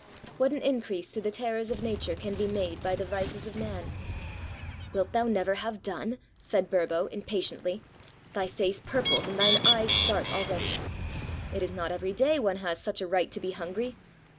What an increase to the terrors of nature can be made by the vices of man ! "Wilt thou never have done?" said Burbo, impa tiently; "thy face purples and thine eyes start already." " It is not every day one has such a right to be hungry.